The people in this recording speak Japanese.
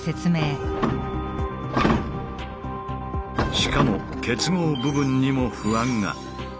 しかも結合部分にも不安が。